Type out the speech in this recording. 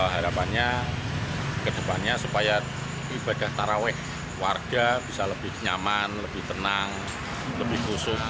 harapannya kedepannya supaya ibadah tarawek warga bisa lebih nyaman lebih tenang lebih khusus